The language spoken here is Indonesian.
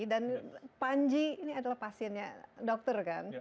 dan panji ini adalah pasiennya dokter kan